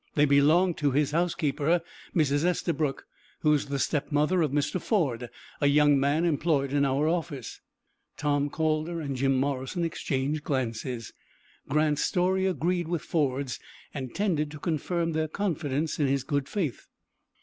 They belonged to his housekeeper, Mrs. Estabrook, who is the stepmother of Mr. Ford, a young man employed in our office." Tom Calder and Jim Morrison exchanged glances. Grant's story agreed with Ford's, and tended to confirm their confidence in his good faith.